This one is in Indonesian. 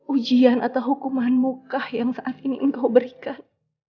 ujian atau hukuman muka yang saat ini engkau berikan